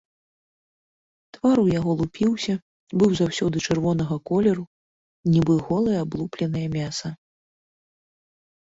Твар у яго лупіўся, быў заўсёды чырвонага колеру, нібы голае аблупленае мяса.